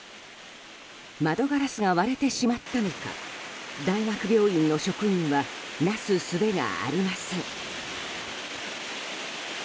窓ガラスが割れてしまったのか大学病院の職員はなすすべがありません。